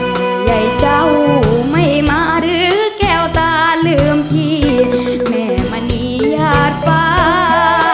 เมื่อยัยเจ้าไม่มารึแก้วตาลืมที่แม่มณีหยาดฟ้า